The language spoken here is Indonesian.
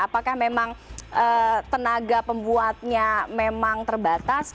apakah memang tenaga pembuatnya memang terbatas